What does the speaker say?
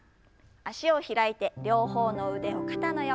脚を開いて両方の腕を肩の横。